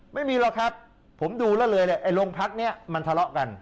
ไม่มีหรอกครับผมดูแล้วเลยเนี่ยไอ้โรงพักนี้มันทะเลาะกัน